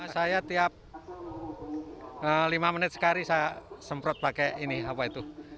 saya tiap lima menit sekali saya semprot pakai ini apa itu